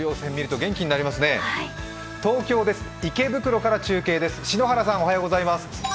東京です、池袋から中継です。